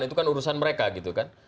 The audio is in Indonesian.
itu kan urusan mereka gitu kan